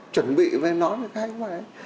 chuẩn bị nói về cái hay của bài ấy